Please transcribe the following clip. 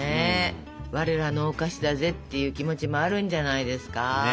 「我らのお菓子だぜ」っていう気持ちもあるんじゃないですか？